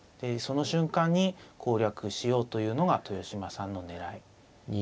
その瞬間に攻略しようというのが豊島さんの狙い。